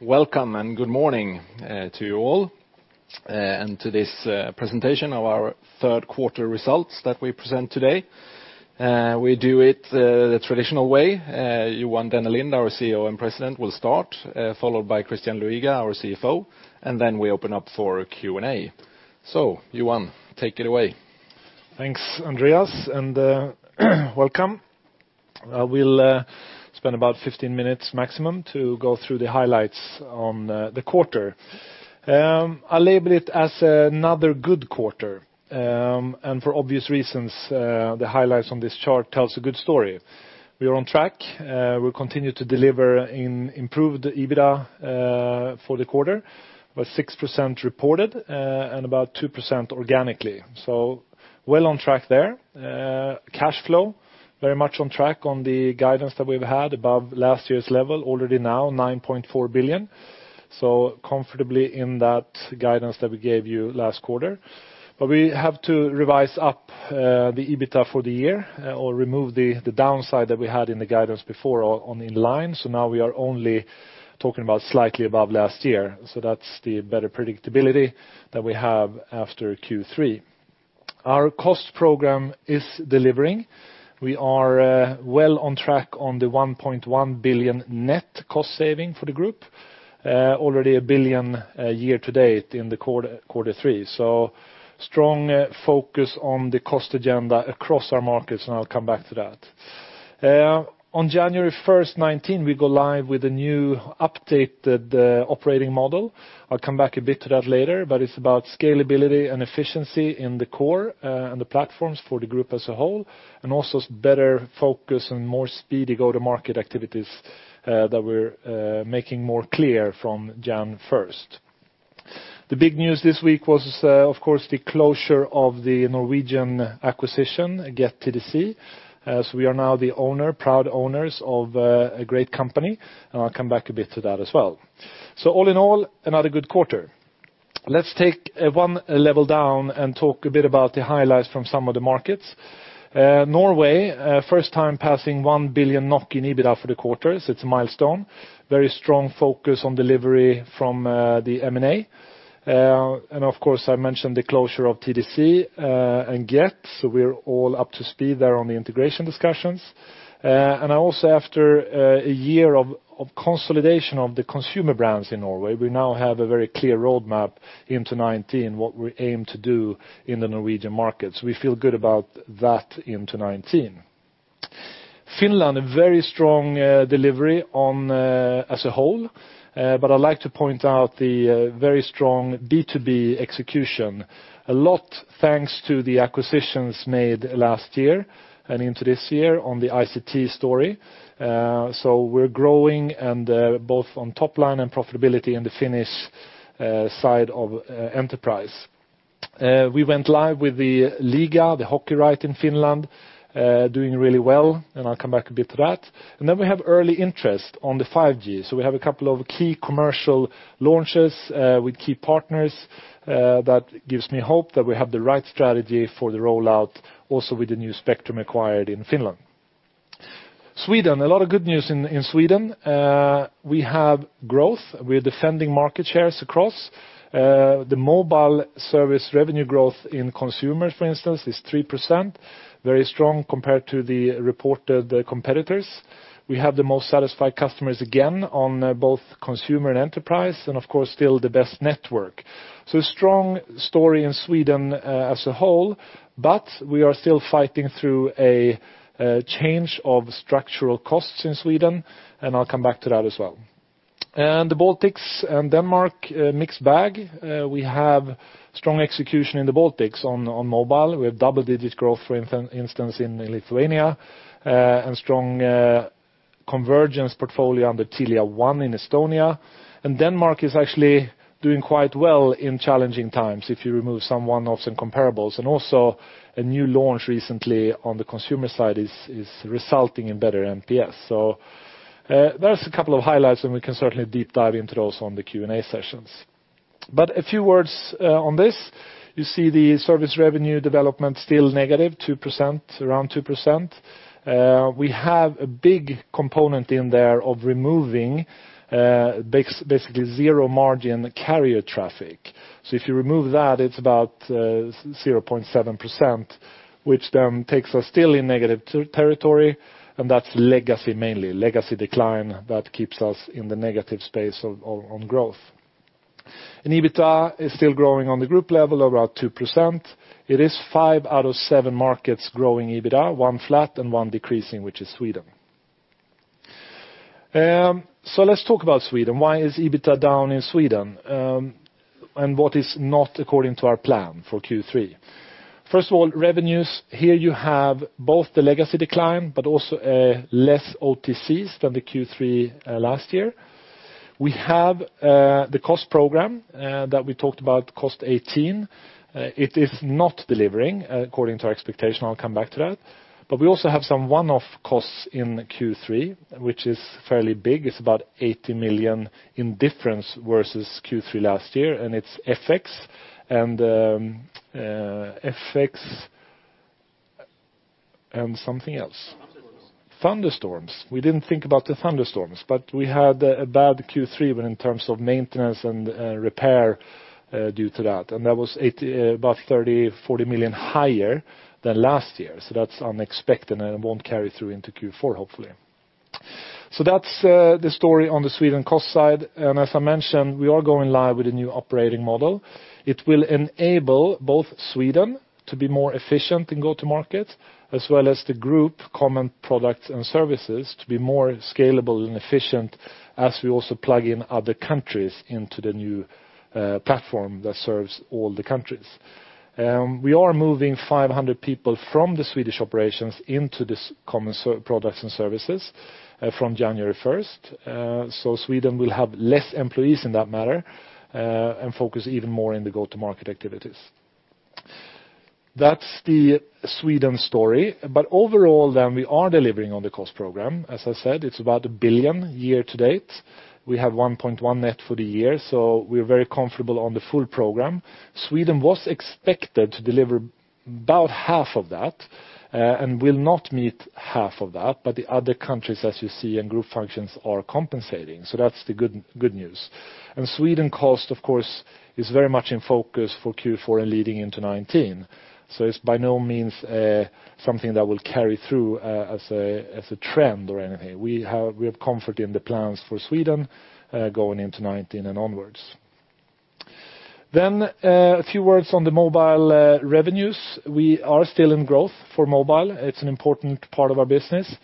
Welcome and good morning to you all, to this presentation of our third quarter results that we present today. We do it the traditional way. Johan Dennelind, our CEO and President, will start, followed by Christian Luiga, our CFO, then we open up for Q&A. Johan, take it away. Thanks, Andreas, and welcome. I will spend about 15 minutes maximum to go through the highlights on the quarter. I label it as another good quarter, for obvious reasons, the highlights on this chart tells a good story. We are on track. We continue to deliver an improved EBITDA for the quarter, about 6% reported, about 2% organically. Well on track there. Cashflow, very much on track on the guidance that we've had above last year's level. Already now 9.4 billion. Comfortably in that guidance that we gave you last quarter. We have to revise up the EBITDA for the year, or remove the downside that we had in the guidance before on in line. Now we are only talking about slightly above last year. That's the better predictability that we have after Q3. Our cost program is delivering. We are well on track on the 1.1 billion net cost saving for the group. Already 1 billion year to date in the quarter three. Strong focus on the cost agenda across our markets, I'll come back to that. On January 1st, 2019, we go live with a new updated operating model. I'll come back a bit to that later, but it's about scalability and efficiency in the core and the platforms for the group as a whole, also better focus on more speedy go-to-market activities that we're making more clear from Jan 1st. The big news this week was, of course, the closure of the Norwegian acquisition, Get TDC. We are now the owner, proud owners, of a great company, I'll come back a bit to that as well. All in all, another good quarter. Let's take one level down and talk a bit about the highlights from some of the markets. Norway, first time passing 1 billion NOK in EBITDA for the quarter. It's a milestone. Very strong focus on delivery from the M&A. Of course, I mentioned the closure of TDC and Get, we're all up to speed there on the integration discussions. Also after a year of consolidation of the consumer brands in Norway, we now have a very clear roadmap into 2019, what we aim to do in the Norwegian markets. We feel good about that into 2019. Finland, a very strong delivery as a whole. I'd like to point out the very strong B2B execution. A lot thanks to the acquisitions made last year and into this year on the ICT story. We are growing both on top line and profitability on the Finnish side of enterprise. We went live with the Liiga, the hockey right in Finland, doing really well, and I'll come back a bit to that. We have early interest on the 5G. We have a couple of key commercial launches with key partners that gives me hope that we have the right strategy for the rollout, also with the new spectrum acquired in Finland. Sweden, a lot of good news in Sweden. We have growth. We are defending market shares across. The mobile service revenue growth in consumers, for instance, is 3%, very strong compared to the reported competitors. We have the most satisfied customers again on both consumer and enterprise, and of course still the best network. A strong story in Sweden as a whole, but we are still fighting through a change of structural costs in Sweden, and I'll come back to that as well. The Baltics and Denmark, a mixed bag. We have strong execution in the Baltics on mobile. We have double-digit growth, for instance, in Lithuania, and strong convergence portfolio under Telia 1 in Estonia. Denmark is actually doing quite well in challenging times if you remove some one-offs and comparables. A new launch recently on the consumer side is resulting in better NPS. There's a couple of highlights, and we can certainly deep dive into those on the Q&A sessions. A few words on this. You see the service revenue development still negative, around 2%. We have a big component in there of removing basically zero margin carrier traffic. If you remove that, it's about 0.7%, which then takes us still in negative territory, and that's legacy mainly. Legacy decline that keeps us in the negative space on growth. EBITDA is still growing on the group level around 2%. It is 5 out of 7 markets growing EBITDA, 1 flat and 1 decreasing, which is Sweden. Let's talk about Sweden. Why is EBITDA down in Sweden? What is not according to our plan for Q3? First of all, revenues. Here you have both the legacy decline, but also less OTCs than the Q3 last year. We have the cost program that we talked about, cost 18. It is not delivering according to our expectation. I'll come back to that. We also have some one-off costs in Q3, which is fairly big. It's about 80 million in difference versus Q3 last year, and it's FX. Thunderstorms. Thunderstorms. We didn't think about the thunderstorms, but we had a bad Q3 in terms of maintenance and repair due to that. That was about 30 million-40 million higher than last year. That's unexpected and it won't carry through into Q4, hopefully. That's the story on the Sweden cost side. As I mentioned, we are going live with a new operating model. It will enable both Sweden to be more efficient in go-to-market, as well as the group common products and services to be more scalable and efficient as we also plug in other countries into the new platform that serves all the countries. We are moving 500 people from the Swedish operations into this common products and services from January 1st. Sweden will have less employees in that matter, and focus even more in the go-to-market activities. Overall, we are delivering on the cost program. As I said, it is about 1 billion year to date. We have 1.1 net for the year, so we are very comfortable on the full program. Sweden was expected to deliver about half of that, and will not meet half of that, but the other countries, as you see, and group functions are compensating. That is the good news. Sweden cost, of course, is very much in focus for Q4 and leading into 2019. It is by no means something that will carry through as a trend or anything. We have comfort in the plans for Sweden going into 2019 and onwards. A few words on the mobile revenues. We are still in growth for mobile. It is an important part of our business.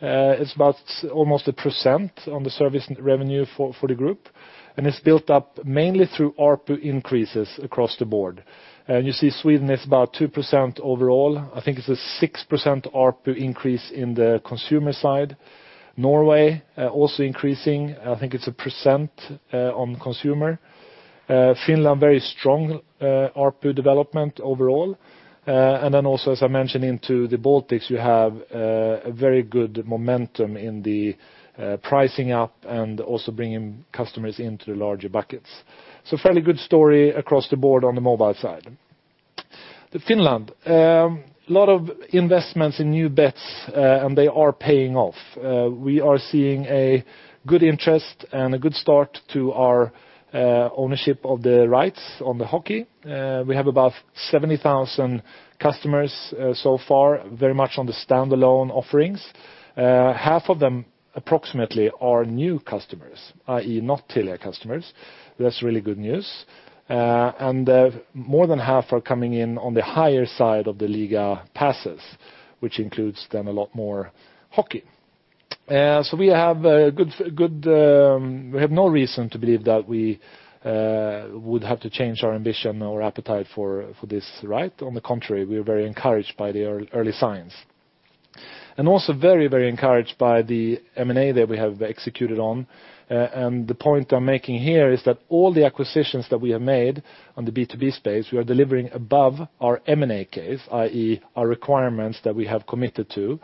It is about almost 1% on the service revenue for the group, and it is built up mainly through ARPU increases across the board. You see Sweden is about 2% overall. I think it is a 6% ARPU increase in the consumer side. Norway also increasing, I think it is 1% on consumer. Finland very strong ARPU development overall. As I mentioned into the Baltics, you have a very good momentum in the pricing up and also bringing customers into the larger buckets. Fairly good story across the board on the mobile side. Finland. A lot of investments in new bets, and they are paying off. We are seeing a good interest and a good start to our ownership of the rights on the Liiga. We have about 70,000 customers so far, very much on the standalone offerings. Half of them approximately are new customers, i.e., not Telia customers. That is really good news. More than half are coming in on the higher side of the Liiga passes, which includes then a lot more hockey. We have no reason to believe that we would have to change our ambition or appetite for this right. On the contrary, we are very encouraged by the early signs. Very encouraged by the M&A that we have executed on. The point I am making here is that all the acquisitions that we have made on the B2B space, we are delivering above our M&A case, i.e., our requirements that we have committed to,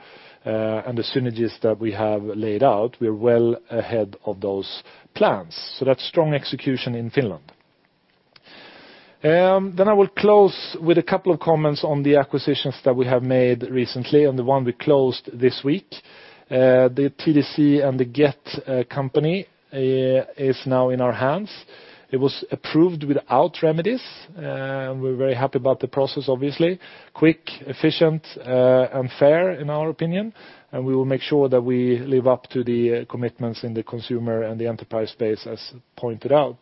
and the synergies that we have laid out. We are well ahead of those plans. That is strong execution in Finland. I will close with a couple of comments on the acquisitions that we have made recently, and the one we closed this week. The TDC and the Get company are now in our hands. It was approved without remedies. We are very happy about the process, obviously. Quick, efficient, and fair in our opinion, and we will make sure that we live up to the commitments in the consumer and the enterprise space as pointed out.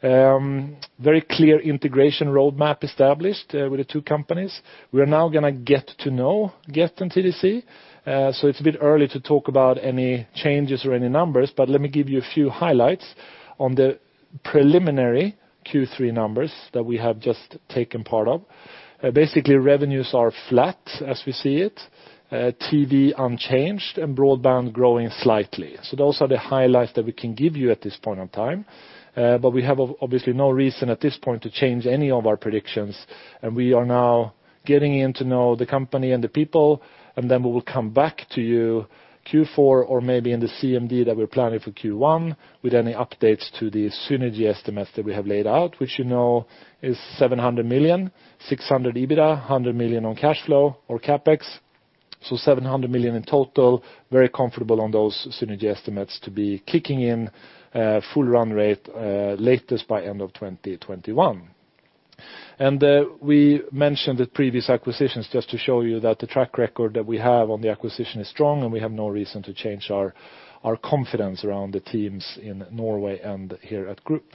Very clear integration roadmap established with the two companies. We are now going to get to know Get and TDC. It is a bit early to talk about any changes or any numbers, but let me give you a few highlights on the preliminary Q3 numbers that we have just taken part of. Basically, revenues are flat as we see it, TV unchanged, and broadband growing slightly. Those are the highlights that we can give you at this point in time. We have obviously no reason at this point to change any of our predictions. We are now getting in to know the company and the people, then we will come back to you Q4 or maybe in the CMD that we're planning for Q1 with any updates to the synergy estimates that we have laid out, which you know is 700 million, 600 million EBITDA, 100 million on cash flow or CapEx. 700 million in total. Very comfortable on those synergy estimates to be kicking in full run rate latest by end of 2021. We mentioned the previous acquisitions just to show you that the track record that we have on the acquisition is strong, and we have no reason to change our confidence around the teams in Norway and here at Group.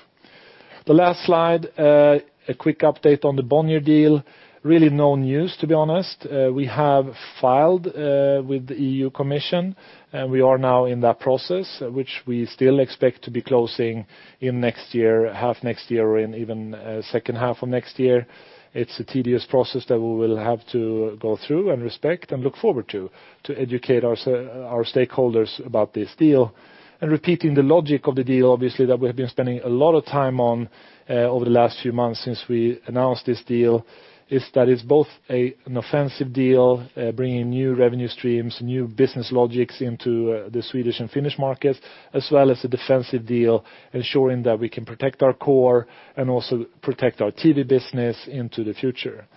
The last slide, a quick update on the Bonnier deal. Really no news, to be honest. We have filed with the EU Commission, and we are now in that process, which we still expect to be closing next year, half next year, or even second half of next year. It's a tedious process that we will have to go through and respect and look forward to educate our stakeholders about this deal. Repeating the logic of the deal, obviously, that we have been spending a lot of time on over the last few months since we announced this deal is that it's both an offensive deal, bringing new revenue streams, new business logics into the Swedish and Finnish markets, as well as a defensive deal, ensuring that we can protect our core and also protect our TV business into the future.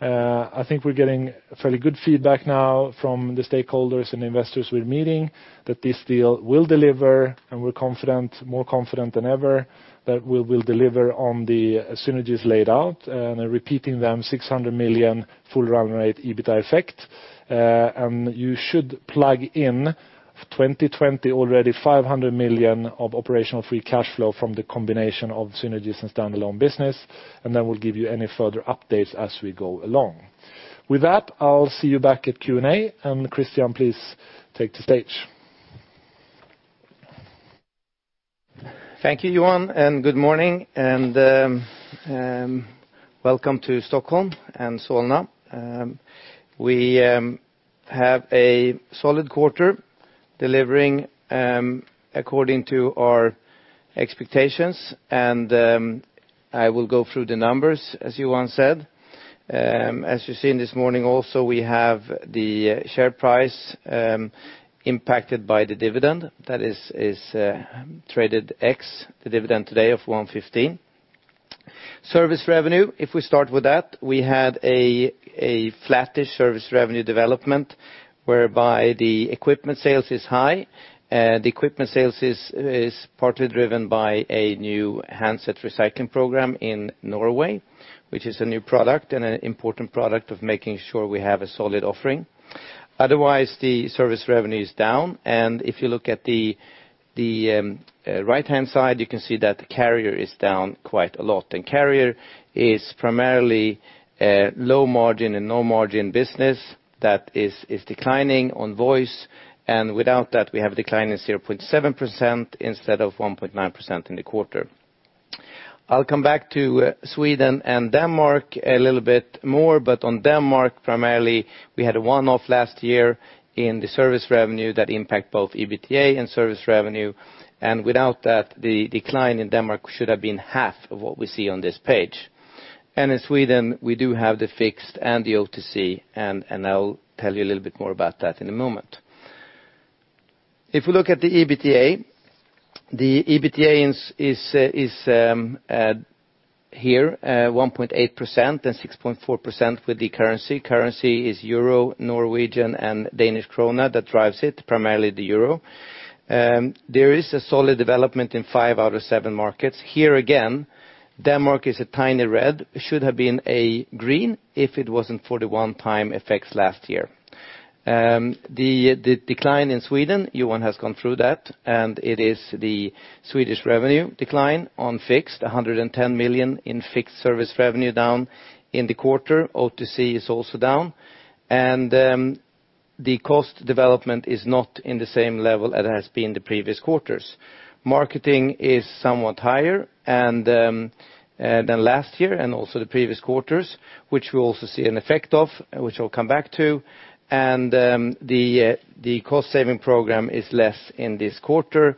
I think we're getting fairly good feedback now from the stakeholders and investors we're meeting that this deal will deliver, and we're more confident than ever that we will deliver on the synergies laid out. Repeating them, 600 million full run rate EBITDA effect. You should plug in 2020 already 500 million of operational free cash flow from the combination of synergies and standalone business, then we'll give you any further updates as we go along. With that, I'll see you back at Q&A, and Christian, please take the stage. Thank you, Johan, and good morning, and welcome to Stockholm and Solna. We have a solid quarter delivering according to our expectations. I will go through the numbers, as Johan said. As you've seen this morning also, we have the share price impacted by the dividend. That is traded ex the dividend today of 115. Service revenue, if we start with that, we had a flattish service revenue development, whereby the equipment sales is high. The equipment sales is partly driven by a new handset recycling program in Norway, which is a new product and an important product of making sure we have a solid offering. Otherwise, the service revenue is down, and if you look at the right-hand side, you can see that the carrier is down quite a lot. Carrier is primarily a low margin and no margin business that is declining on voice. Without that, we have a decline in 0.7% instead of 1.9% in the quarter. I'll come back to Sweden and Denmark a little bit more, but on Denmark primarily, we had a one-off last year in the service revenue that impact both EBITDA and service revenue. Without that, the decline in Denmark should have been half of what we see on this page. In Sweden, we do have the fixed and the OTC. I'll tell you a little bit more about that in a moment. If we look at the EBITDA, the EBITDA is here 1.8% and 6.4% with the currency. Currency is euro, Norwegian and Danish krona that drives it, primarily the euro. There is a solid development in five out of seven markets. Here again, Denmark is a tiny red, should have been a green if it wasn't for the one-time effects last year. The decline in Sweden, Johan has gone through that, and it is the Swedish revenue decline on fixed, 110 million in fixed service revenue down in the quarter. OTC is also down. The cost development is not in the same level as it has been the previous quarters. Marketing is somewhat higher than last year, and also the previous quarters, which we'll also see an effect of, which I'll come back to. The cost-saving program is less in this quarter,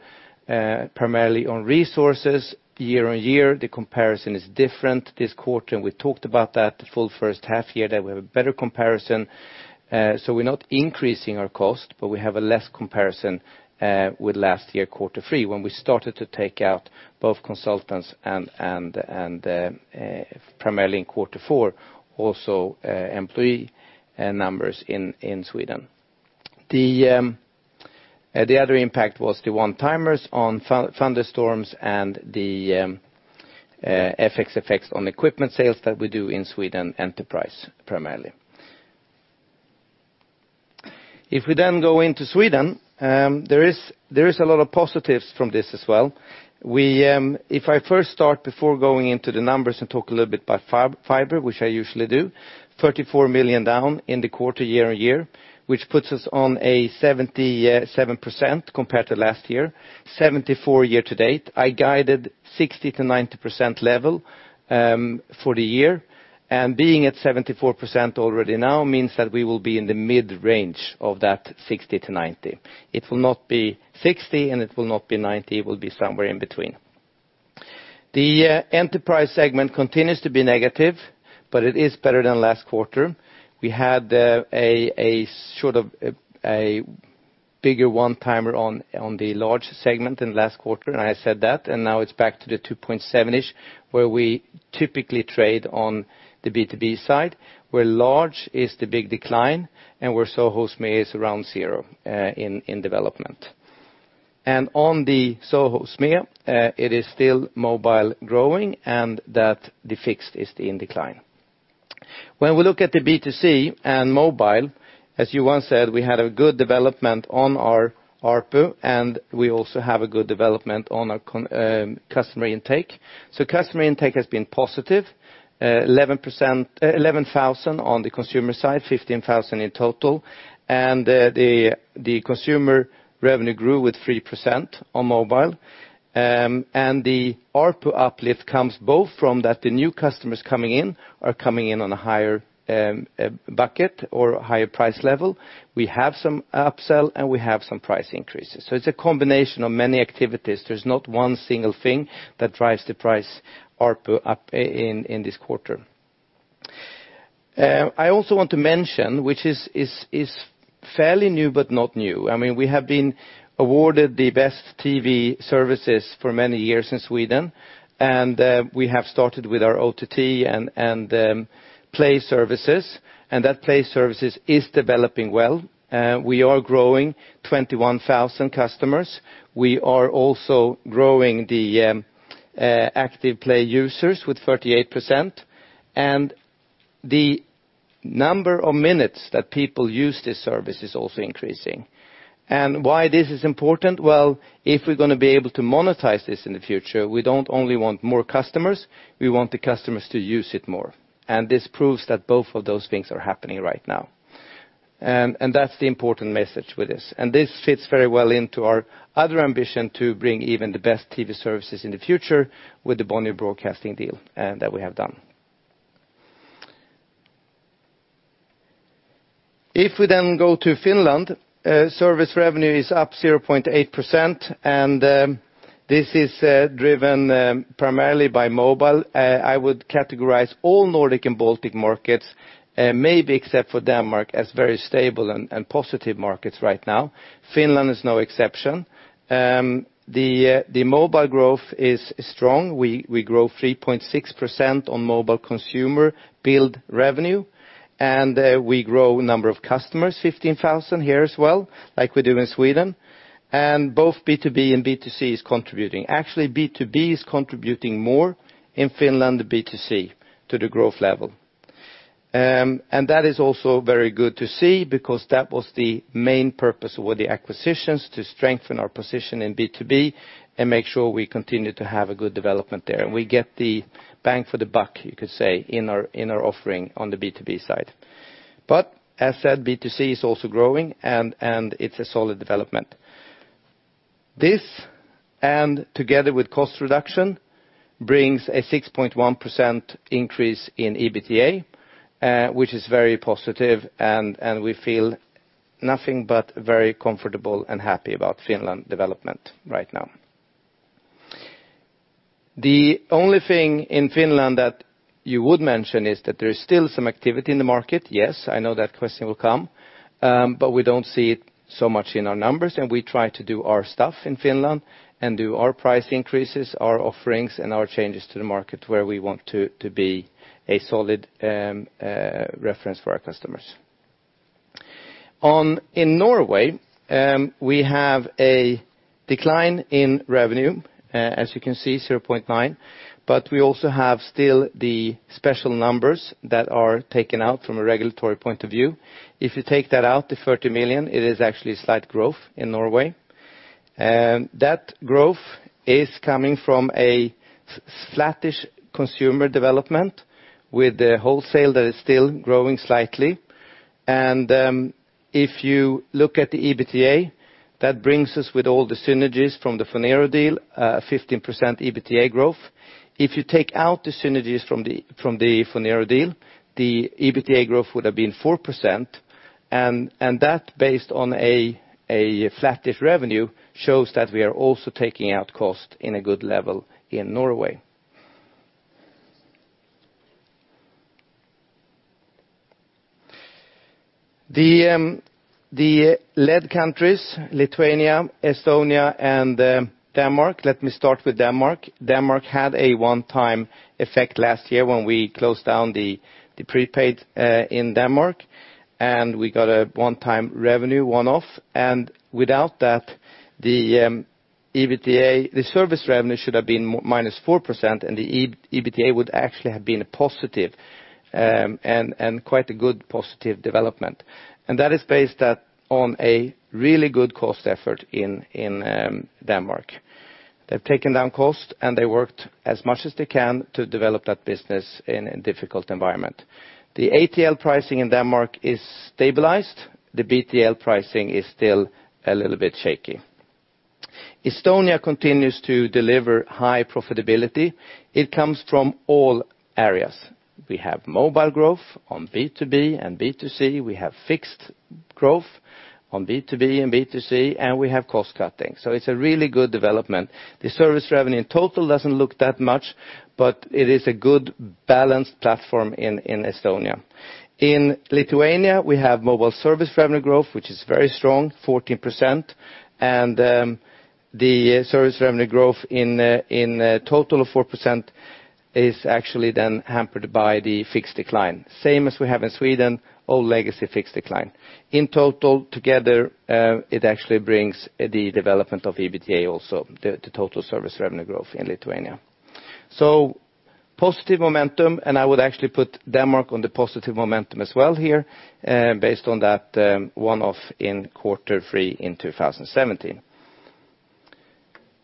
primarily on resources. Year-on-year, the comparison is different this quarter, and we talked about that the full first half year that we have a better comparison. We're not increasing our cost, but we have a less comparison with last year quarter three, when we started to take out both consultants and primarily in quarter four, also employee numbers in Sweden. The other impact was the one-timers on thunderstorms and the FX effects on equipment sales that we do in Sweden Enterprise primarily. We then go into Sweden, there is a lot of positives from this as well. If I first start before going into the numbers and talk a little bit about fiber, which I usually do, 34 million down in the quarter year-on-year, which puts us on a 77% compared to last year, 74% year to date. I guided 60%-90% level for the year. Being at 74% already now means that we will be in the mid-range of that 60%-90%. It will not be 60%, and it will not be 90%. It will be somewhere in between. The Enterprise segment continues to be negative, but it is better than last quarter. We had a bigger one-timer on the large segment in the last quarter. I said that, now it's back to the 2.7-ish, where we typically trade on the B2B side, where large is the big decline and where SoHo/SME is around zero in development. On the SoHo/SME, it is still mobile growing and that the fixed is in decline. When we look at the B2C and mobile, as Johan said, we had a good development on our ARPU. We also have a good development on our customer intake. Customer intake has been positive, 11,000 on the consumer side, 15,000 in total. The consumer revenue grew with 3% on mobile. The ARPU uplift comes both from that the new customers coming in are coming in on a higher bucket or higher price level. We have some upsell. We have some price increases. It's a combination of many activities. There's not one single thing that drives the price ARPU up in this quarter. I also want to mention, which is fairly new, but not new. We have been awarded the best TV services for many years in Sweden. We have started with our OTT and Play services, and that Play services is developing well. We are growing 21,000 customers. We are also growing the active Play users with 38%. The number of minutes that people use this service is also increasing. Why this is important? Well, if we're going to be able to monetize this in the future, we don't only want more customers, we want the customers to use it more. This proves that both of those things are happening right now. That's the important message with this. This fits very well into our other ambition to bring even the best TV services in the future with the Bonnier Broadcasting deal that we have done. If we go to Finland, service revenue is up 0.8%. This is driven primarily by mobile. I would categorize all Nordic and Baltic markets, maybe except for Denmark, as very stable and positive markets right now. Finland is no exception. The mobile growth is strong. We grow 3.6% on mobile consumer billed revenue. We grow number of customers, 15,000 here as well, like we do in Sweden. Both B2B and B2C is contributing. Actually, B2B is contributing more in Finland than B2C to the growth level. That is also very good to see because that was the main purpose with the acquisitions, to strengthen our position in B2B and make sure we continue to have a good development there. We get the bang for the buck, you could say, in our offering on the B2B side. As said, B2C is also growing, and it's a solid development. This, together with cost reduction, brings a 6.1% increase in EBITDA, which is very positive. We feel nothing but very comfortable and happy about Finland development right now. The only thing in Finland that you would mention is that there is still some activity in the market. I know that question will come, but we don't see it so much in our numbers, and we try to do our stuff in Finland and do our price increases, our offerings, and our changes to the market where we want to be a solid reference for our customers. In Norway, we have a decline in revenue, as you can see, 0.9%, but we also have still the special numbers that are taken out from a regulatory point of view. If you take that out, the 30 million NOK, it is actually a slight growth in Norway. That growth is coming from a flattish consumer development with the wholesale that is still growing slightly. If you look at the EBITDA, that brings us, with all the synergies from the Phonero deal, a 15% EBITDA growth. If you take out the synergies from the Phonero deal, the EBITDA growth would have been 4%. That based on a flattish revenue shows that we are also taking out cost in a good level in Norway. The LED countries, Lithuania, Estonia, and Denmark. Let me start with Denmark. Denmark had a one-time effect last year when we closed down the prepaid in Denmark, and we got a one-time revenue one-off. Without that, the service revenue should have been -4%, and the EBITDA would actually have been a positive, and quite a good positive development. That is based on a really good cost effort in Denmark. They've taken down cost, and they worked as much as they can to develop that business in a difficult environment. The ATL pricing in Denmark is stabilized. The BTL pricing is still a little bit shaky. Estonia continues to deliver high profitability. It comes from all areas. We have mobile growth on B2B and B2C. We have fixed growth on B2B and B2C, and we have cost cutting. It's a really good development. The service revenue in total doesn't look that much, but it is a good balanced platform in Estonia. In Lithuania, we have mobile service revenue growth, which is very strong, 14%. The service revenue growth in total of 4% is actually then hampered by the fixed decline. Same as we have in Sweden, all legacy fixed decline. In total, together, it actually brings the development of EBITDA also, the total service revenue growth in Lithuania. Positive momentum, and I would actually put Denmark on the positive momentum as well here based on that one-off in Q3 in 2017.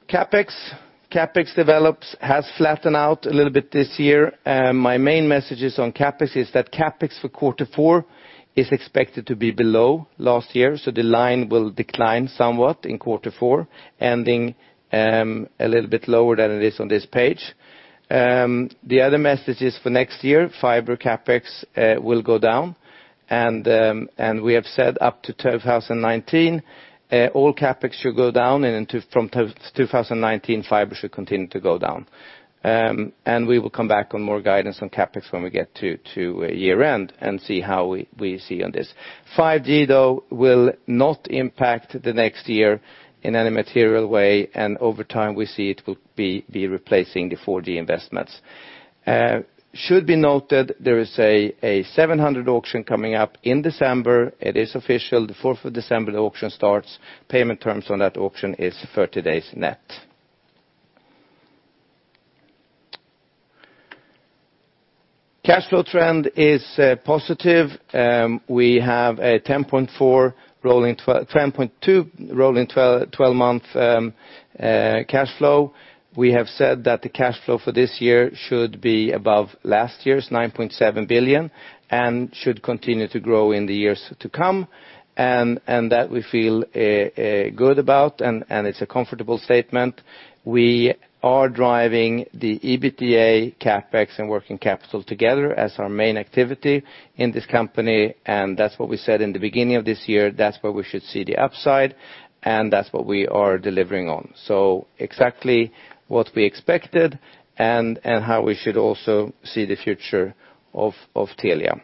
CapEx. CapEx develops has flattened out a little bit this year. My main messages on CapEx is that CapEx for Q4 is expected to be below last year. The line will decline somewhat in Q4, ending a little bit lower than it is on this page. The other message is for next year, fiber CapEx will go down, and we have said up to 2019, all CapEx should go down, and from 2019, fiber should continue to go down. We will come back on more guidance on CapEx when we get to year-end and see how we see on this. 5G, though, will not impact the next year in any material way, and over time, we see it will be replacing the 4G investments. Should be noted, there is a 700 auction coming up in December. It is official. The 4th of December, the auction starts. Payment terms on that auction is 30 days net. Cash flow trend is positive. We have a 10.2 rolling 12-month cash flow. We have said that the cash flow for this year should be above last year's 9.7 billion and should continue to grow in the years to come. That we feel good about, and it's a comfortable statement. We are driving the EBITDA, CapEx, and working capital together as our main activity in this company, and that's what we said in the beginning of this year. That's where we should see the upside, and that's what we are delivering on. Exactly what we expected and how we should also see the future of Telia.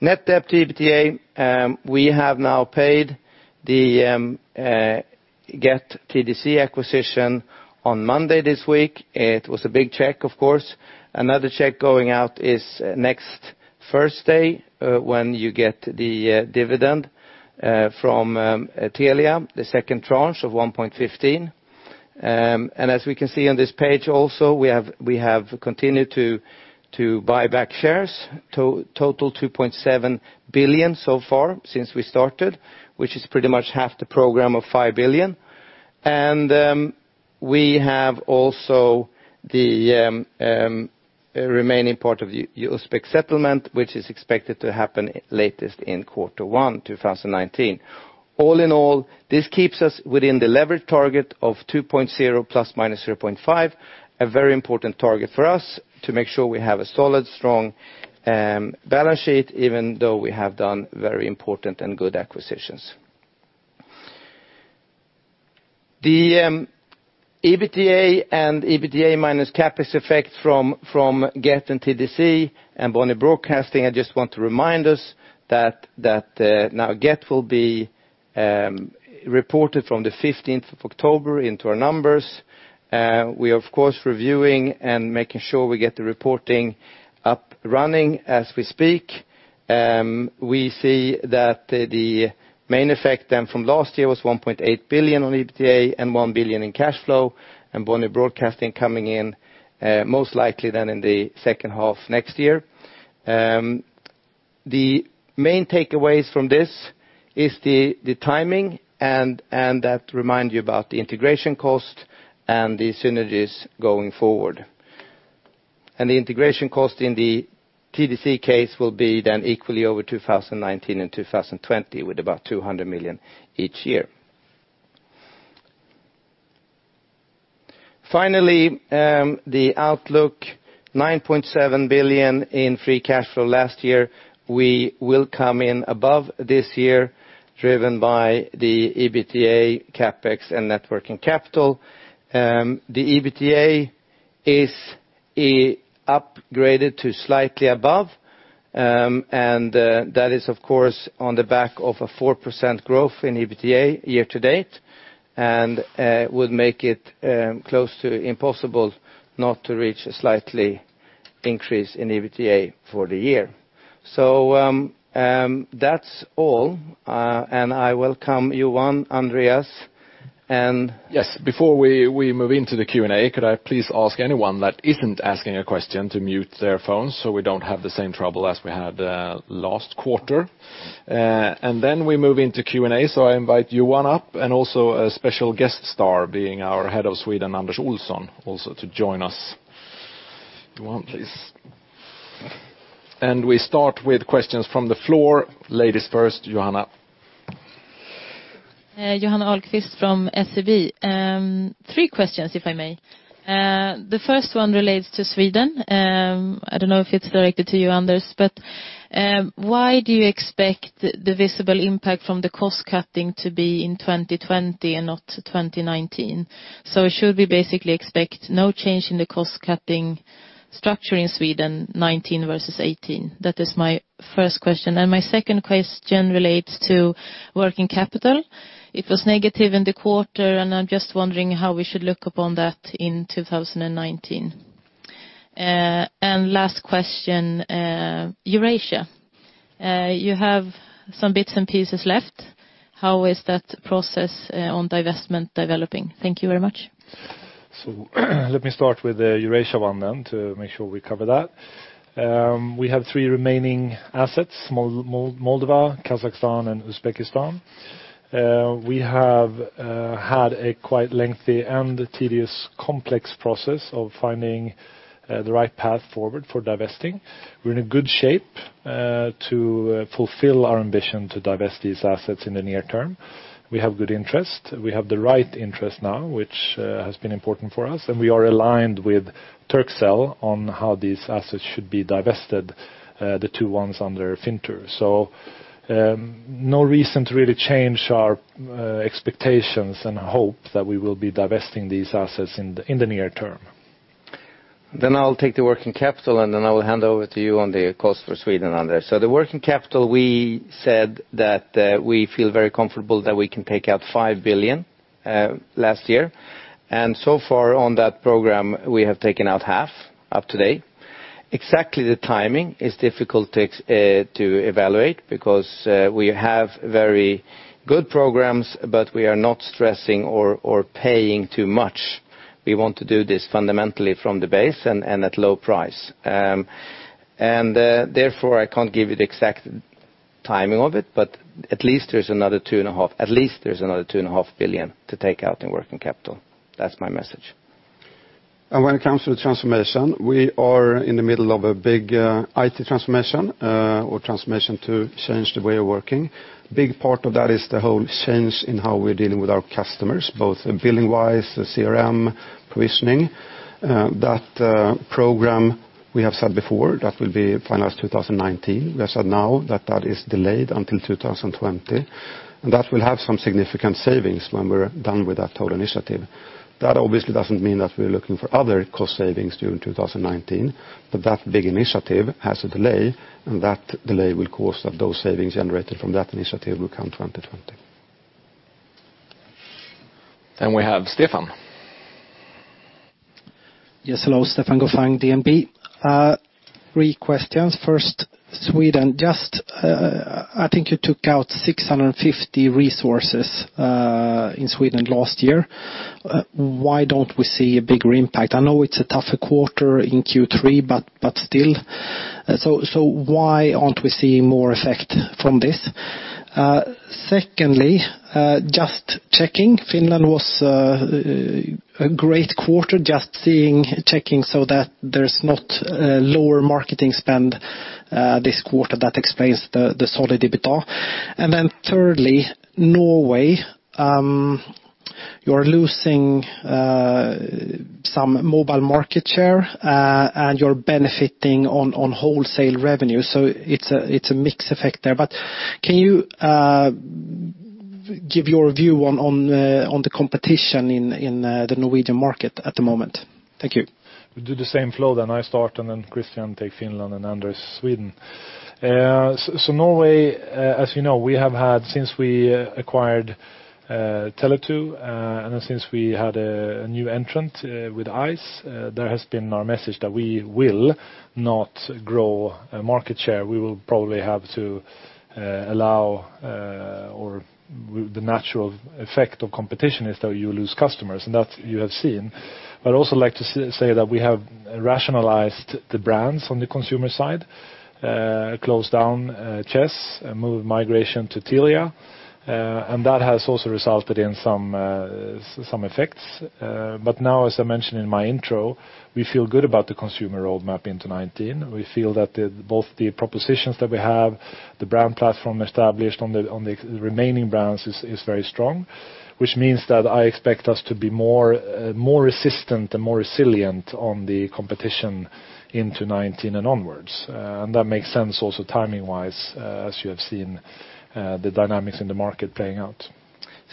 Net debt to EBITDA. We have now paid the Get TDC acquisition on Monday this week. It was a big check, of course. Another check going out is next Thursday, when you get the dividend from Telia, the second tranche of 1.15. As we can see on this page also, we have continued to buy back shares. Total 2.7 billion so far since we started, which is pretty much half the program of 5 billion. We have also the remaining part of the Uzbek settlement, which is expected to happen latest in quarter one 2019. All in all, this keeps us within the leverage target of 2.0 ±0.5, a very important target for us to make sure we have a solid, strong balance sheet, even though we have done very important and good acquisitions. The EBITDA and EBITDA minus CapEx effect from Get and TDC and Bonnier Broadcasting, I just want to remind us that now Get will be reported from the 15th of October into our numbers. We are of course reviewing and making sure we get the reporting up and running as we speak. We see that the main effect then from last year was 1.8 billion on EBITDA and 1 billion in cash flow and Bonnier Broadcasting coming in most likely then in the second half next year. The main takeaways from this is the timing and that remind you about the integration cost and the synergies going forward. The integration cost in the TDC case will be then equally over 2019 and 2020, with about 200 million each year. Finally, the outlook, 9.7 billion in free cash flow last year. We will come in above this year, driven by the EBITDA, CapEx, and net working capital. The EBITDA is upgraded to slightly above, and that is of course on the back of a 4% growth in EBITDA year to date and would make it close to impossible not to reach a slight increase in EBITDA for the year. That's all. I welcome Johan, Andreas. Yes. Before we move into the Q&A, could I please ask anyone that isn't asking a question to mute their phone so we don't have the same trouble as we had last quarter? Then we move into Q&A. I invite Johan up and also a special guest star, being our Head of Sweden, Anders Olsson, also to join us. Johan, please. We start with questions from the floor. Ladies first, Johanna. Johanna Ahlqvist from SEB. Three questions, if I may. The first one relates to Sweden. I don't know if it's directed to you, Anders, why do you expect the visible impact from the cost cutting to be in 2020 and not 2019? Should we basically expect no change in the cost-cutting structure in Sweden 2019 versus 2018? That is my first question. My second question relates to working capital. It was negative in the quarter, I'm just wondering how we should look upon that in 2019. Last question, Eurasia. You have some bits and pieces left. How is that process on divestment developing? Thank you very much. Let me start with the Eurasia one then to make sure we cover that. We have three remaining assets, Moldova, Kazakhstan, and Uzbekistan. We have had a quite lengthy and tedious, complex process of finding the right path forward for divesting. We're in a good shape to fulfill our ambition to divest these assets in the near term. We have good interest. We have the right interest now, which has been important for us, we are aligned with Turkcell on how these assets should be divested, the two ones under Fintur. No reason to really change our expectations and hope that we will be divesting these assets in the near term. I'll take the working capital, then I will hand over to you on the cost for Sweden, Anders. The working capital, we said that we feel very comfortable that we can take out 5 billion last year. So far on that program, we have taken out half up to date. Exactly the timing is difficult to evaluate because we have very good programs, we are not stressing or paying too much. We want to do this fundamentally from the base and at low price. Therefore I can't give you the exact timing of it, at least there's another two and a half billion to take out in working capital. That's my message. When it comes to the transformation, we are in the middle of a big IT transformation, or transformation to change the way of working. Big part of that is the whole change in how we're dealing with our customers, both billing-wise, the CRM, provisioning. That program we have said before, that will be finalized 2019. We have said now that that is delayed until 2020, and that will have some significant savings when we're done with that whole initiative. That obviously doesn't mean that we're looking for other cost savings during 2019, but that big initiative has a delay, and that delay will cause those savings generated from that initiative will come 2020. We have Stefan. Yes, hello. Stefan Gauffin, DNB. Three questions. First, Sweden. I think you took out 650 resources in Sweden last year. Why don't we see a bigger impact? I know it's a tougher quarter in Q3, but still. Why aren't we seeing more effect from this? Secondly, just checking, Finland was a great quarter. Just checking so that there's not lower marketing spend this quarter that explains the solid EBITDA. Thirdly, Norway. You're losing some mobile market share, and you're benefiting on wholesale revenue. It's a mix effect there, but can you give your view on the competition in the Norwegian market at the moment? Thank you. We do the same flow then. I start, Christian take Finland, and Anders, Sweden. Norway, as you know, we have had since we acquired Tele2, since we had a new entrant with Ice, that has been our message that we will not grow market share. We will probably have to allow or the natural effect of competition is that you lose customers, and that you have seen. I'd also like to say that we have rationalized the brands on the consumer side, closed down Chess, moved migration to Telia. That has also resulted in some effects. Now, as I mentioned in my intro, we feel good about the consumer roadmap into 2019. We feel that both the propositions that we have, the brand platform established on the remaining brands is very strong, which means that I expect us to be more resistant and more resilient on the competition into 2019 and onwards. That makes sense also timing-wise, as you have seen the dynamics in the market playing out.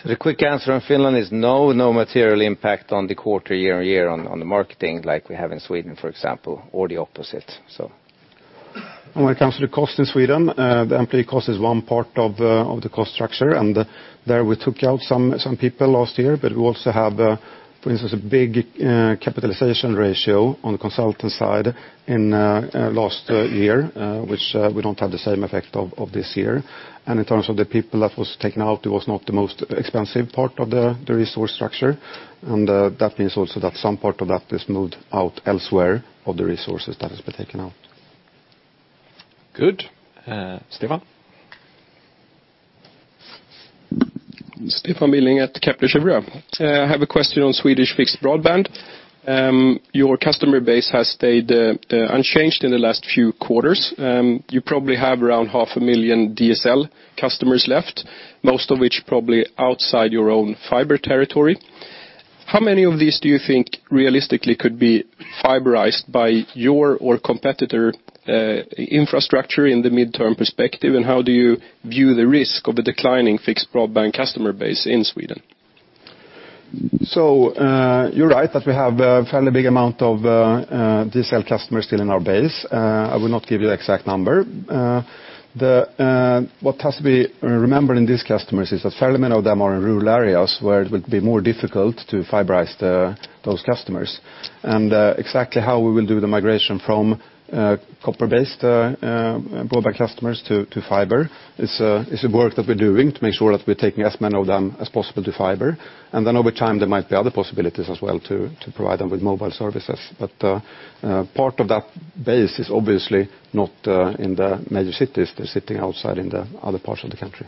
The quick answer on Finland is no material impact on the quarter year-on-year on the marketing like we have in Sweden, for example, or the opposite. When it comes to the cost in Sweden, the employee cost is one part of the cost structure, there we took out some people last year, we also have, for instance, a big capitalization ratio on the consultant side in last year, which we don't have the same effect of this year. In terms of the people that was taken out, it was not the most expensive part of the resource structure. That means also that some part of that is moved out elsewhere of the resources that has been taken out. Good. Stefan. Stefan Billing at Kepler Cheuvreux. I have a question on Swedish fixed broadband. Your customer base has stayed unchanged in the last few quarters. You probably have around half a million DSL customers left, most of which probably outside your own fiber territory. How many of these do you think realistically could be fiberized by your or competitor infrastructure in the midterm perspective, and how do you view the risk of the declining fixed broadband customer base in Sweden? You're right that we have a fairly big amount of DSL customers still in our base. I will not give you the exact number. What has to be remembered in these customers is that fairly many of them are in rural areas where it will be more difficult to fiberize those customers. Exactly how we will do the migration from copper-based broadband customers to fiber is a work that we're doing to make sure that we're taking as many of them as possible to fiber. Over time, there might be other possibilities as well to provide them with mobile services. Part of that base is obviously not in the major cities. They're sitting outside in the other parts of the country.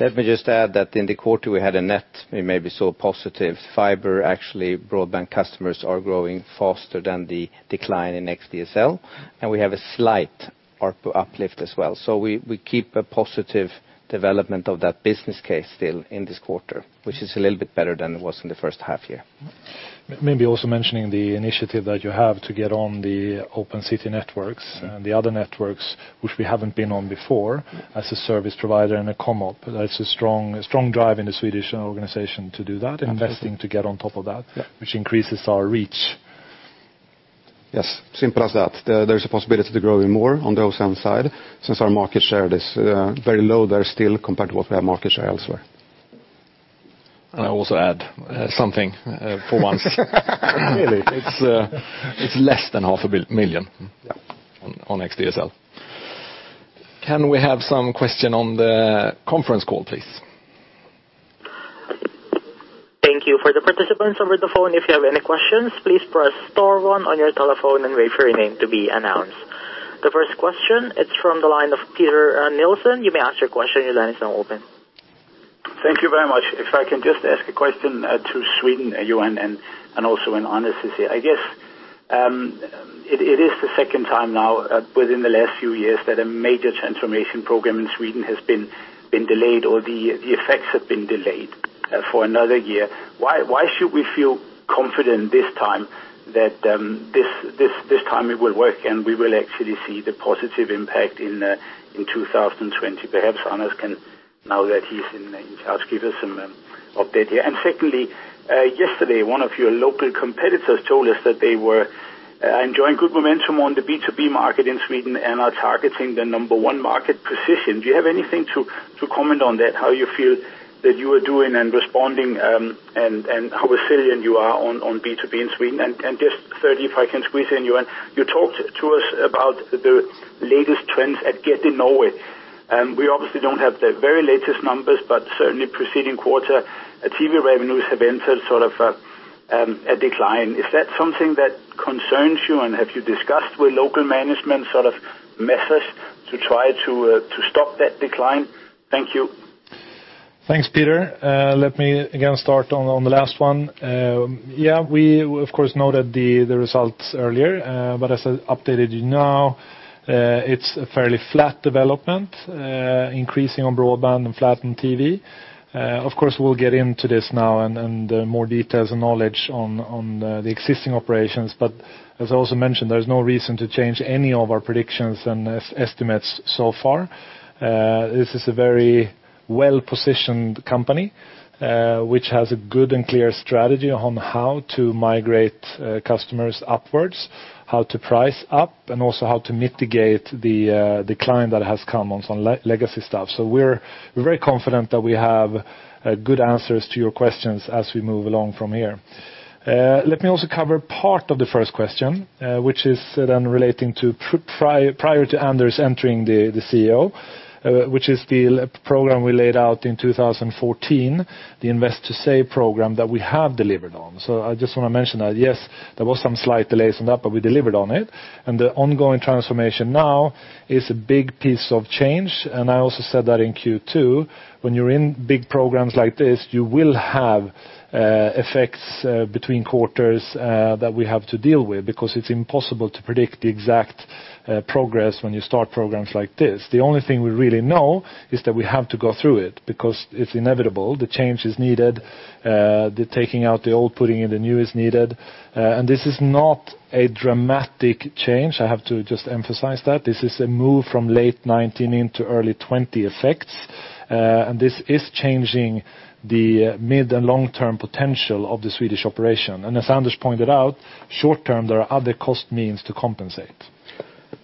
Let me just add that in the quarter, we had a net, we maybe saw positive fiber. Actually, broadband customers are growing faster than the decline in xDSL, we have a slight ARPU uplift as well. We keep a positive development of that business case still in this quarter, which is a little bit better than it was in the first half year. Maybe also mentioning the initiative that you have to get on the open city networks and the other networks which we haven't been on before as a service provider and a comm op. That's a strong drive in the Swedish organization to do that, investing to get on top of that, which increases our reach. Yes, simple as that. There's a possibility to grow even more on the wholesale side, since our market share is very low there still compared to what we have market share elsewhere. I also add something for once. Really? It's less than half a million on xDSL. Can we have some question on the conference call, please? Thank you. For the participants over the phone, if you have any questions, please press star one on your telephone and wait for your name to be announced. The first question, it's from the line of Peter Nielsen. You may ask your question, your line is now open. Thank you very much. If I can just ask a question to Sweden, Johan, and also Anders. I guess it is the second time now within the last few years that a major transformation program in Sweden has been delayed, or the effects have been delayed for another year. Why should we feel confident this time that this time it will work, and we will actually see the positive impact in 2020? Perhaps Anders can, now that he's in charge, give us some update here. Secondly, yesterday, one of your local competitors told us that they were enjoying good momentum on the B2B market in Sweden and are targeting the number one market position. Do you have anything to comment on that? How you feel that you are doing and responding, and how resilient you are on B2B in Sweden? Just thirdly, if I can squeeze in, Johan, you talked to us about the latest trends at Get in Norway. We obviously don't have the very latest numbers, but certainly preceding quarter, TV revenues have entered sort of a decline. Is that something that concerns you, and have you discussed with local management sort of methods to try to stop that decline? Thank you. Thanks, Peter. Let me again start on the last one. Yeah, we of course noted the results earlier. As I updated you now, it's a fairly flat development, increasing on broadband and flat on TV. Of course, we'll get into this now and more details and knowledge on the existing operations. As I also mentioned, there's no reason to change any of our predictions and estimates so far. This is a very well-positioned company, which has a good and clear strategy on how to migrate customers upwards, how to price up, and also how to mitigate the decline that has come on some legacy stuff. We're very confident that we have good answers to your questions as we move along from here. Let me also cover part of the first question, which is then relating to prior to Anders entering the CEO, which is the program we laid out in 2014, the Invest to Save program that we have delivered on. I just want to mention that, yes, there was some slight delays on that, but we delivered on it. The ongoing transformation now is a big piece of change. I also said that in Q2, when you're in big programs like this, you will have effects between quarters that we have to deal with, because it's impossible to predict the exact progress when you start programs like this. The only thing we really know is that we have to go through it, because it's inevitable. The change is needed. The taking out the old, putting in the new is needed. This is not a dramatic change. I have to just emphasize that. This is a move from late 2019 into early 2020 effects. This is changing the mid- and long-term potential of the Swedish operation. As Anders pointed out, short-term, there are other cost means to compensate.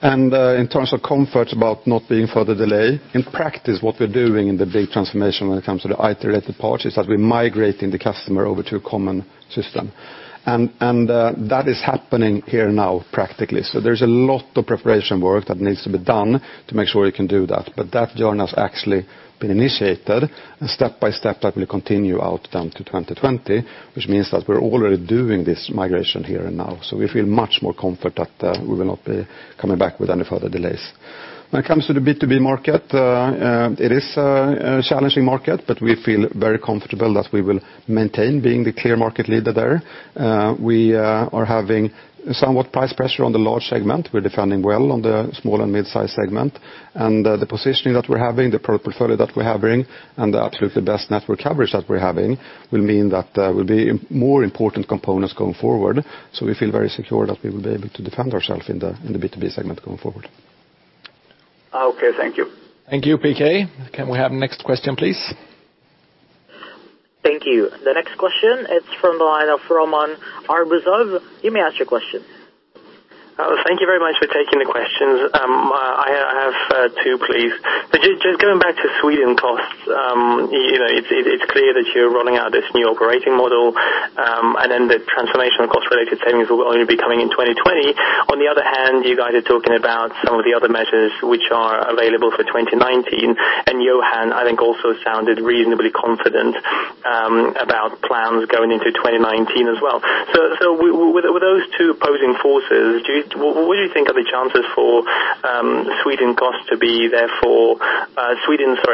In terms of comfort about not being further delay, in practice, what we're doing in the big transformation when it comes to the iterated part is that we're migrating the customer over to a common system. That is happening here now practically. There's a lot of preparation work that needs to be done to make sure we can do that. That journey has actually been initiated, and step by step, that will continue out down to 2020, which means that we're already doing this migration here and now. We feel much more comfort that we will not be coming back with any further delays. When it comes to the B2B market, it is a challenging market, we feel very comfortable that we will maintain being the clear market leader there. We are having somewhat price pressure on the large segment. We're defending well on the small and midsize segment. The positioning that we're having, the product portfolio that we're having, and the absolutely best network coverage that we're having, will mean that will be more important components going forward. We feel very secure that we will be able to defend ourselves in the B2B segment going forward. Okay, thank you. Thank you, PK. Can we have next question, please? Thank you. The next question, it's from the line of Roman Arbuzov. You may ask your question. Thank you very much for taking the questions. I have two, please. Going back to Sweden costs. It's clear that you're rolling out this new operating model, then the transformational cost-related savings will only be coming in 2020. On the other hand, you guys are talking about some of the other measures which are available for 2019. Johan, I think, also sounded reasonably confident about plans going into 2019 as well. With those two opposing forces, what do you think are the chances for Sweden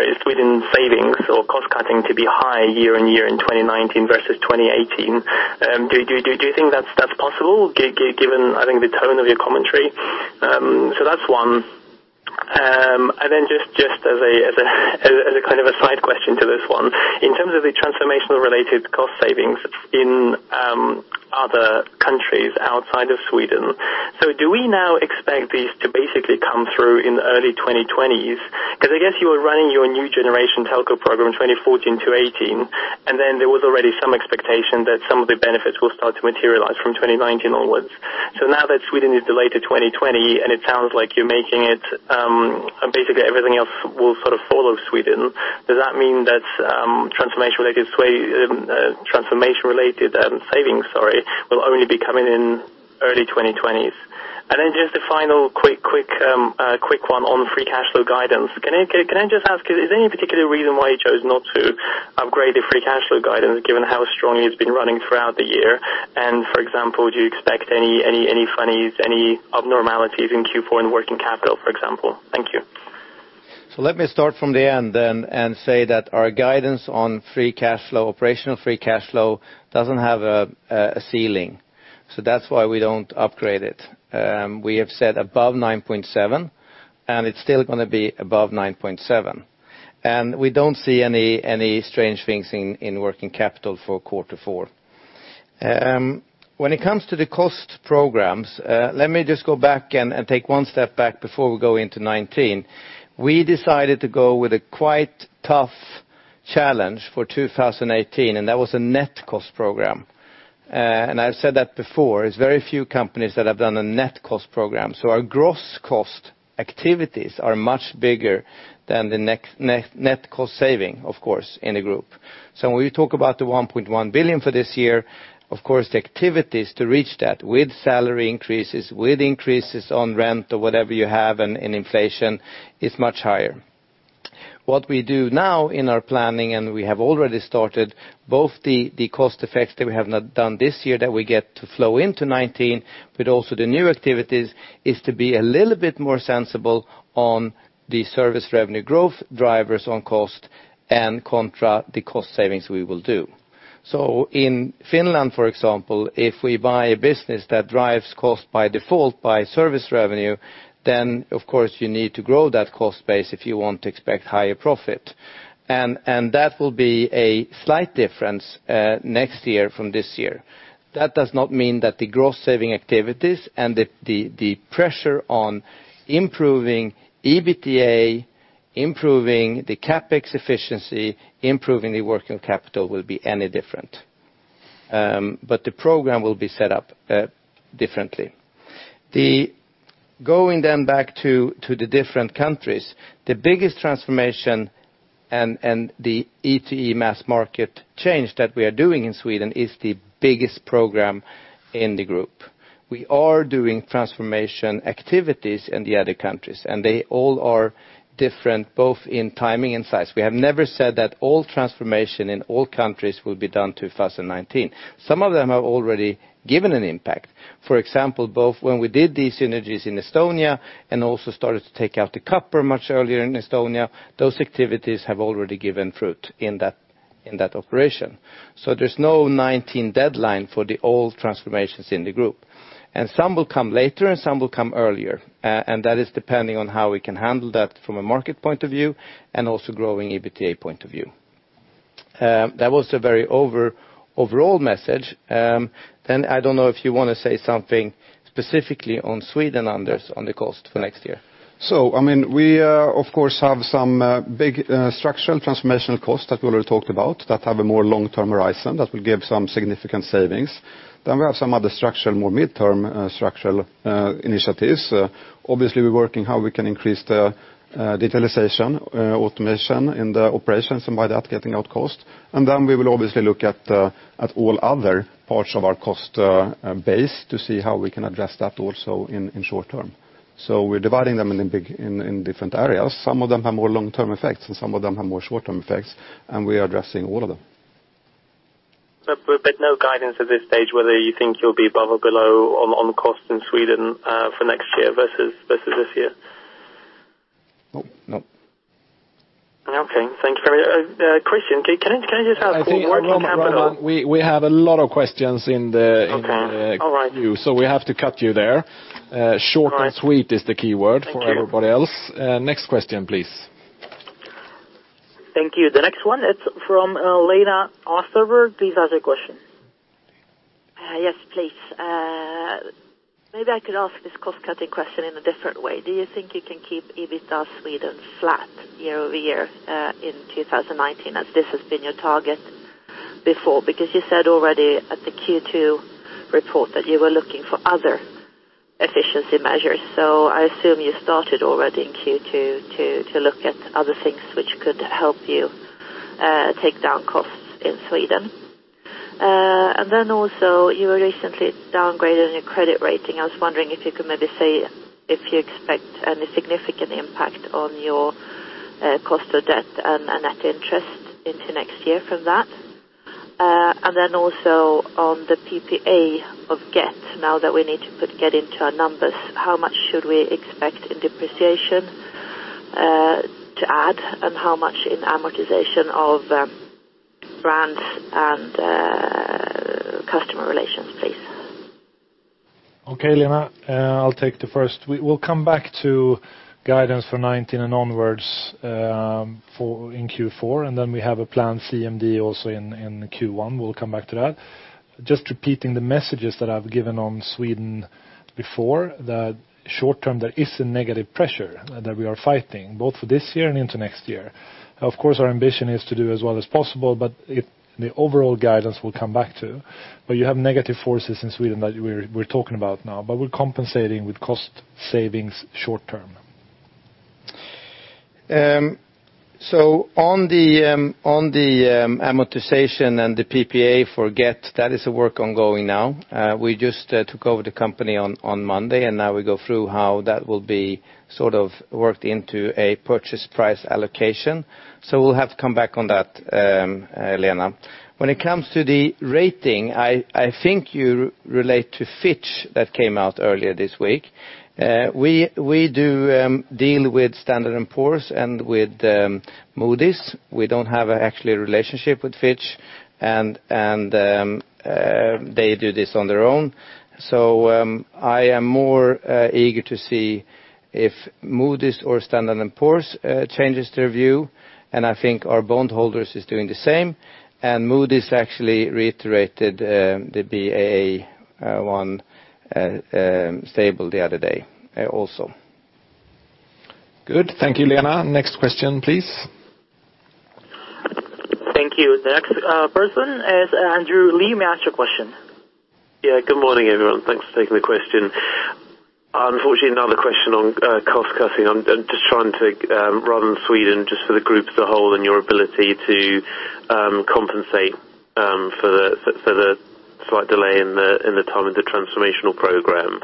savings or cost cutting to be high year-over-year in 2019 versus 2018? Do you think that's possible, given, I think, the tone of your commentary? That's one. Just as a kind of a side question to this one, in terms of the transformational related cost savings in other countries outside of Sweden, do we now expect these to basically come through in early 2020s? Because I guess you were running your New Generation Telco program 2014 to 2018, then there was already some expectation that some of the benefits will start to materialize from 2019 onwards. Now that Sweden is delayed to 2020, and it sounds like you're making it, basically everything else will sort of follow Sweden. Does that mean that transformation-related savings will only be coming in early 2020s? Just a final quick one on free cash flow guidance. Can I just ask, is there any particular reason why you chose not to upgrade the free cash flow guidance given how strongly it's been running throughout the year? For example, do you expect any funnies, any abnormalities in Q4 in working capital, for example? Thank you. Let me start from the end then say that our guidance on operational free cash flow doesn't have a ceiling, that's why we don't upgrade it. We have said above 9.7, it's still going to be above 9.7. We don't see any strange things in working capital for quarter four. When it comes to the cost programs, let me go back take one step back before we go into 2019. We decided to go with a quite tough challenge for 2018, that was a net cost program. I've said that before. It's very few companies that have done a net cost program. Our gross cost activities are much bigger than the net cost saving, of course, in the group. When we talk about the 1.1 billion for this year, of course, the activities to reach that with salary increases, with increases on rent or whatever you have in inflation is much higher. What we do now in our planning, and we have already started both the cost effects that we have not done this year that we get to flow into 2019, but also the new activities, is to be a little bit more sensible on the service revenue growth drivers on cost and contra the cost savings we will do. In Finland, for example, if we buy a business that drives cost by default by service revenue, then of course you need to grow that cost base if you want to expect higher profit. That will be a slight difference next year from this year. That does not mean that the gross saving activities and the pressure on improving EBITDA, improving the CapEx efficiency, improving the working capital will be any different. The program will be set up differently. Going back to the different countries, the biggest transformation and the E2E mass market change that we are doing in Sweden is the biggest program in the group. We are doing transformation activities in the other countries, they all are different, both in timing and size. We have never said that all transformation in all countries will be done 2019. Some of them have already given an impact. For example, both when we did these synergies in Estonia and also started to take out the copper much earlier in Estonia, those activities have already given fruit in that operation. There's no 2019 deadline for the old transformations in the group. Some will come later and some will come earlier. That is depending on how we can handle that from a market point of view and also growing EBITDA point of view. That was a very overall message. I don't know if you want to say something specifically on Sweden, Anders, on the cost for next year. We of course have some big structural transformational costs that we already talked about that have a more long-term horizon that will give some significant savings. We have some other structural, more midterm structural initiatives. Obviously, we're working how we can increase the digitalization, automation in the operations, and by that getting out cost. We will obviously look at all other parts of our cost base to see how we can address that also in short term. We're dividing them in different areas. Some of them have more long-term effects, and some of them have more short-term effects, and we are addressing all of them. no guidance at this stage whether you think you'll be above or below on cost in Sweden for next year versus this year. No. Okay. Thank you. Christian, can I just ask. I think, Roman Arbuzov, we have a lot of questions in the. Okay. All right. queue. We have to cut you there. All right. Short and sweet is the keyword for everybody else. Thank you. Next question, please. Thank you. The next one, it's from Lena Ahrberg. Please ask your question. Yes, please. Maybe I could ask this cost-cutting question in a different way. Do you think you can keep EBITDA Sweden flat year-over-year in 2019, as this has been your target before? You said already at the Q2 report that you were looking for other efficiency measures. I assume you started already in Q2 to look at other things which could help you take down costs in Sweden. Also you recently downgraded your credit rating. I was wondering if you could maybe say if you expect any significant impact on your cost of debt and net interest into next year from that. Also on the PPA of Get. Now that we need to put Get into our numbers, how much should we expect in depreciation to add, and how much in amortization of brands and customer relations, please? Okay, Lena. I'll take the first. We'll come back to guidance for 2019 and onwards in Q4, and we have a planned CMD also in Q1. We'll come back to that. Just repeating the messages that I've given on Sweden before, that short term, there is a negative pressure that we are fighting, both for this year and into next year. Of course, our ambition is to do as well as possible, the overall guidance we'll come back to. You have negative forces in Sweden that we're talking about now, but we're compensating with cost savings short term. On the amortization and the PPA for Get, that is a work ongoing now. We just took over the company on Monday, and now we go through how that will be worked into a purchase price allocation. We'll have to come back on that, Lena. When it comes to the rating, I think you relate to Fitch that came out earlier this week. We do deal with Standard & Poor's and with Moody's. We don't have actually a relationship with Fitch, and they do this on their own. I am more eager to see if Moody's or Standard & Poor's changes their view, and I think our bondholders is doing the same, and Moody's actually reiterated the Baa1 stable the other day also. Good. Thank you, Lena. Next question, please. Thank you. The next person is Andrew Lee. May I ask you a question? Good morning, everyone. Thanks for taking the question. Unfortunately, another question on cost-cutting. I'm just trying to run Sweden just for the group as a whole and your ability to compensate for the slight delay in the time of the transformational program.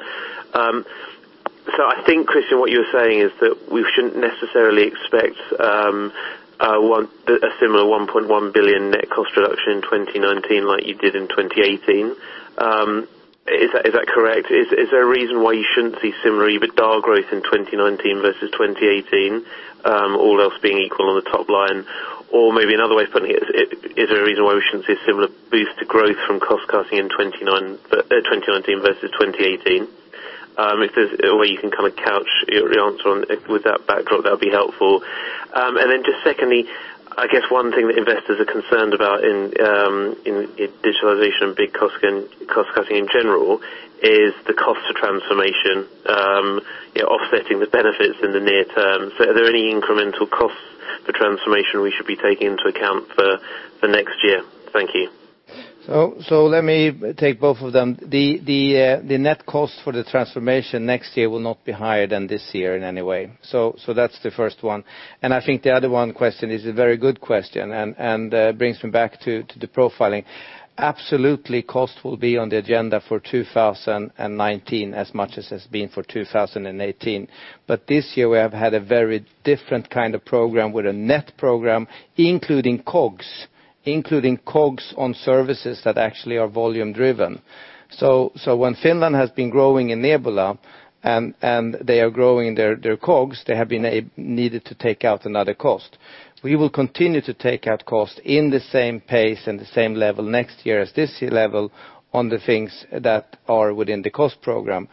I think, Christian, what you're saying is that we shouldn't necessarily expect a similar 1.1 billion net cost reduction in 2019 like you did in 2018. Is that correct? Is there a reason why you shouldn't see similar EBITDA growth in 2019 versus 2018, all else being equal on the top line? Maybe another way of putting it, is there a reason why we shouldn't see a similar boost to growth from cost-cutting in 2019 versus 2018? If there's a way you can kind of couch your answer with that backdrop, that would be helpful. just secondly, I guess one thing that investors are concerned about in digitalization and big cost-cutting in general is the cost to transformation offsetting the benefits in the near term. Are there any incremental costs for transformation we should be taking into account for next year? Thank you. Let me take both of them. The net cost for the transformation next year will not be higher than this year in any way. That's the first one. I think the other one question is a very good question and brings me back to the profiling. Absolutely, cost will be on the agenda for 2019 as much as it's been for 2018. This year we have had a very different kind of program with a net program, including COGS on services that actually are volume driven. When Finland has been growing in Nebula and they are growing their COGS, they have been needed to take out another cost. We will continue to take out cost in the same pace and the same level next year as this year level on the things that are within the cost program.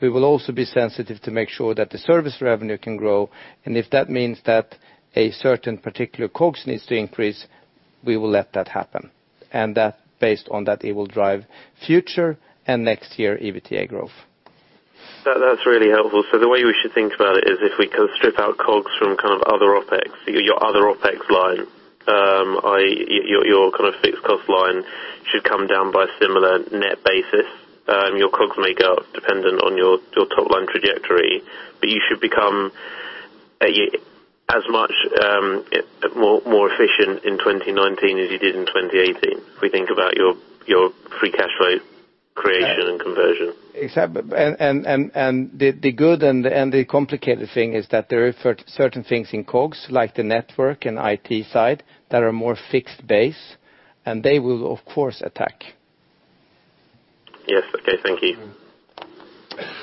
We will also be sensitive to make sure that the service revenue can grow, and if that means that a certain particular COGS needs to increase, we will let that happen. Based on that, it will drive future and next year EBITDA growth. That's really helpful. The way we should think about it is if we strip out COGS from other OpEx, your other OpEx line, your fixed cost line should come down by a similar net basis. Your COGS may go up dependent on your top-line trajectory, but you should become as much more efficient in 2019 as you did in 2018. If we think about your free cash flow creation and conversion. Exactly. The good and the complicated thing is that there are certain things in COGS, like the network and IT side, that are more fixed base, and they will of course attack. Yes. Okay. Thank you.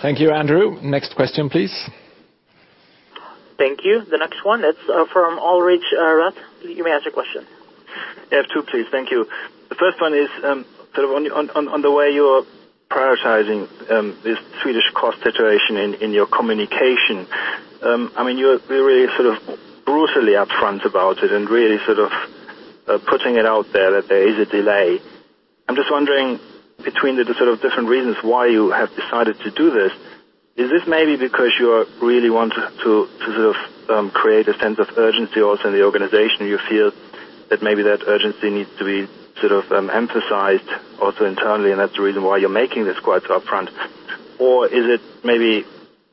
Thank you, Andrew. Next question please. Thank you. The next one is from Ulrich Rathe. You may ask your question. I have two please. Thank you. The first one is on the way you are prioritizing this Swedish cost situation in your communication. You're really brutally upfront about it and really putting it out there that there is a delay. I'm just wondering between the different reasons why you have decided to do this. Is this maybe because you really want to create a sense of urgency also in the organization? You feel that maybe that urgency needs to be emphasized also internally, and that's the reason why you're making this quite upfront. Or is it maybe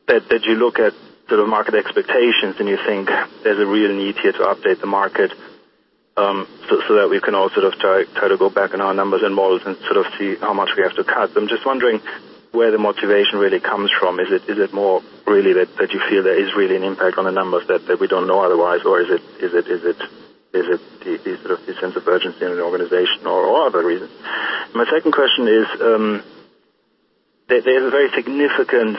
that you look at market expectations and you think there's a real need here to update the market so that we can all try to go back on our numbers and models and see how much we have to cut? I'm just wondering where the motivation really comes from. Is it more really that you feel there is really an impact on the numbers that we don't know otherwise? Or is it the sense of urgency in an organization or other reasons? My second question is, there's a very significant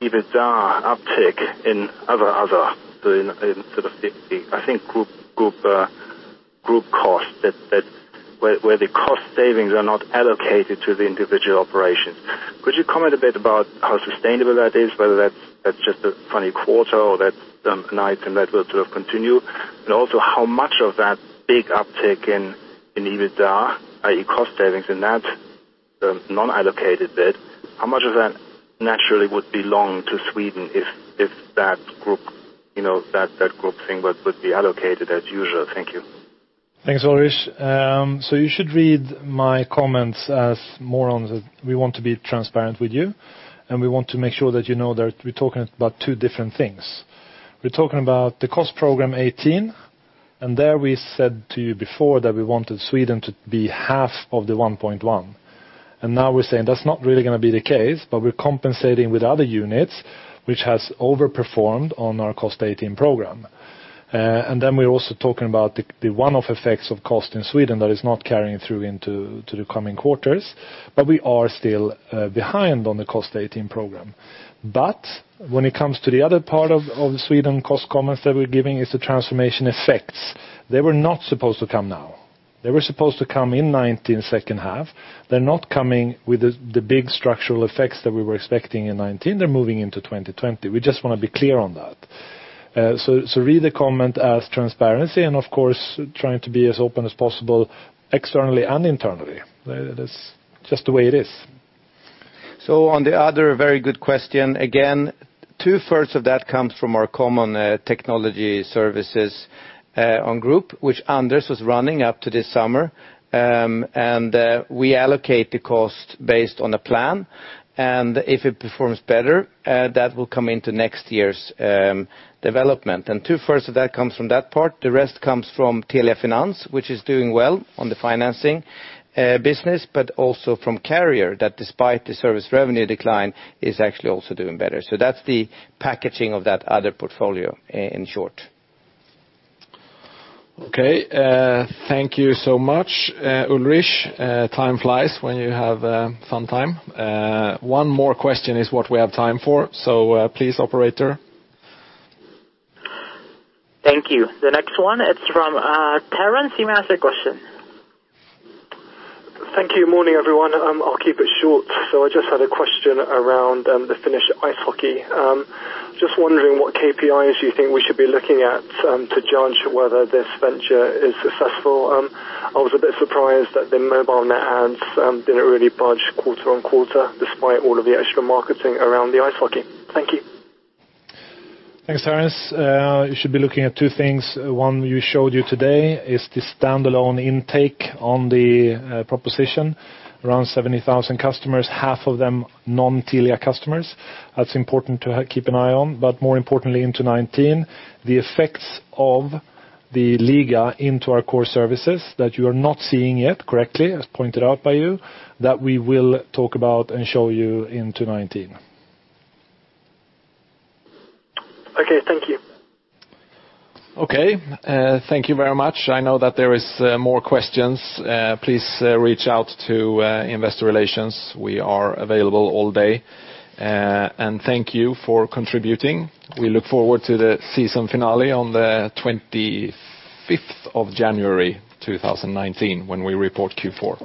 EBITDA uptick in other, in I think group cost, where the cost savings are not allocated to the individual operations. Could you comment a bit about how sustainable that is, whether that's just a funny quarter or that's nice and that will sort of continue? Also how much of that big uptick in EBITDA, i.e. cost savings in that non-allocated bit, how much of that naturally would belong to Sweden if that group thing would be allocated as usual? Thank you. Thanks, Ulrich. You should read my comments as more on that we want to be transparent with you, and we want to make sure that you know that we're talking about two different things. We're talking about the cost program 18, and there we said to you before that we wanted Sweden to be half of the 1.1. Now we're saying that's not really going to be the case, but we're compensating with other units which has overperformed on our cost 18 program. Then we're also talking about the one-off effects of cost in Sweden that is not carrying through into the coming quarters, but we are still behind on the cost 18 program. When it comes to the other part of the Sweden cost comments that we're giving is the transformation effects. They were not supposed to come now. They were supposed to come in 2019 second half. They're not coming with the big structural effects that we were expecting in 2019. They're moving into 2020. We just want to be clear on that. Read the comment as transparency and, of course, trying to be as open as possible externally and internally. That's just the way it is. On the other very good question, again, two-thirds of that comes from our common technology services on group, which Anders was running up to this summer. We allocate the cost based on a plan. If it performs better, that will come into next year's development. Two-thirds of that comes from that part. The rest comes from Telia Finance, which is doing well on the financing business, but also from carrier that despite the service revenue decline, is actually also doing better. That's the packaging of that other portfolio in short. Thank you so much, Ulrich. Time flies when you have fun time. One more question is what we have time for. Please, operator. Thank you. The next one, it's from Terence. You may ask your question. Thank you. Morning, everyone. I'll keep it short. I just had a question around the Finnish ice hockey. Just wondering what KPIs you think we should be looking at to judge whether this venture is successful. I was a bit surprised that the mobile net adds didn't really budge quarter-on-quarter, despite all of the extra marketing around the ice hockey. Thank you. Thanks, Terence. You should be looking at two things. One, we showed you today is the standalone intake on the proposition. Around 70,000 customers, half of them non-Telia customers. That's important to keep an eye on, but more importantly into 2019, the effects of the Liiga into our core services that you are not seeing yet correctly, as pointed out by you, that we will talk about and show you in 2019. Okay, thank you. Okay. Thank you very much. I know that there is more questions. Please reach out to investor relations. We are available all day. Thank you for contributing. We look forward to the season finale on the 25th of January, 2019 when we report Q4.